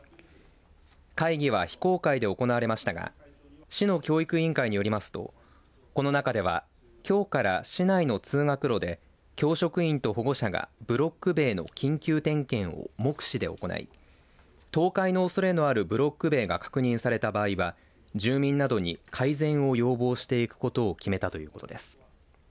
会議は非公開で行われましたが市の教育委員会によりますとこの中ではきょうから市内の通学路で教職員と保護者がブロック塀の緊急点検を目視で行い倒壊のおそれのあるブロック塀が確認された場合は住民などに改善を要望していくことを決めたということです。